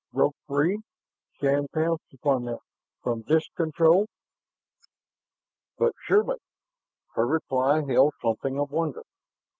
"Broke free " Shann pounced upon that. "From disk control?" "But surely." Her reply held something of wonder.